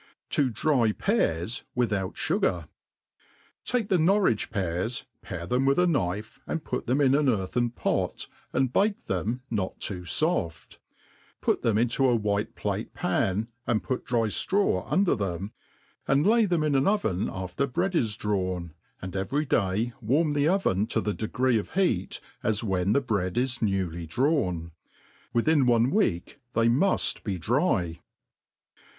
Ti dry Pears without Sugar, TAKE the Norwich pears, pare them with a knife, and put them in an earthen pot, and bake them pot too foft ; put them into a white plate pan, and put dry flraw under them, and lay ^ them in an oven after bread is drawn, and every day warm the oven to the degree of heat 93 when the bread is newly drawn* Within one week they muft be dry.